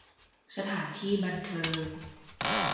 สถานที่บันเทิง